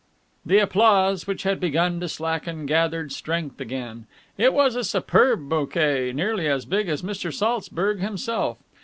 The applause, which had begun to slacken, gathered strength again. It was a superb bouquet, nearly as big as Mr. Saltzburg himself.